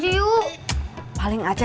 tidak apa apa tidak besuk